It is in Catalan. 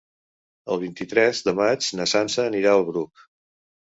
El vint-i-tres de maig na Sança anirà al Bruc.